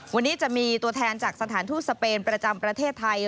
วันนี้จะมีตัวแทนจากสถานทูตสเปนประจำประเทศไทย